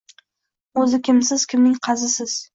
O`zi kimsiz, kimning qizisiz